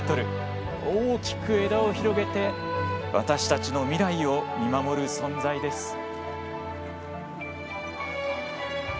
大きく枝を広げて私たちの未来を見守る存在です。